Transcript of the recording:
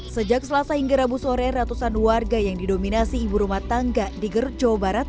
sejak selasa hingga rabu sore ratusan warga yang didominasi ibu rumah tangga di gerut jawa barat